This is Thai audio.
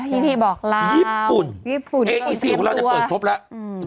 พี่พี่บอกเราญี่ปุ่นญี่ปุ่นเอีซีของเราจะเปิดครบแล้วอืม